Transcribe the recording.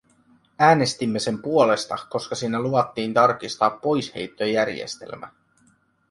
Äänestimme sen puolesta, koska siinä luvattiin tarkistaa poisheittojärjestelmä.